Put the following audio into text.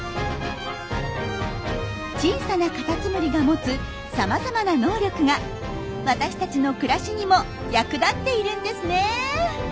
小さなカタツムリが持つさまざまな能力が私たちの暮らしにも役立っているんですね。